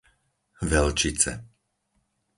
Velčice